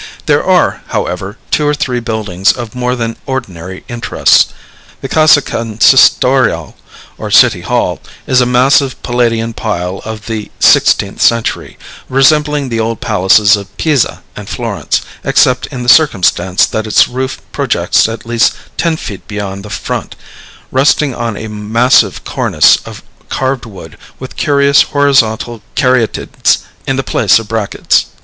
There are, however, two or three buildings of more than ordinary interest. The Casa Consistorial, or City Hall, is a massive Palladian pile of the sixteenth century, resembling the old palaces of Pisa and Florence, except in the circumstance that its roof projects at least ten feet beyond the front, resting on a massive cornice of carved wood with curious horizontal caryatides in the place of brackets.